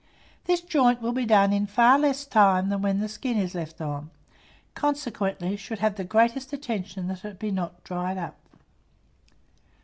This joint will be done in far less time than when the skin is left on, consequently, should have the greatest attention that it be not dried up.